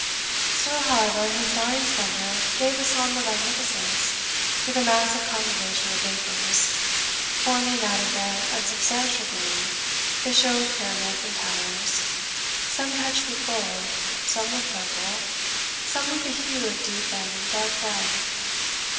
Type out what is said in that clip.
Still, however, his dying splendour gave a sombre magnificence to the massive congregation of vapours, forming out of their unsubstantial gloom the show of pyramids and towers, some touched with gold, some with purple, some with a hue of deep and dark red.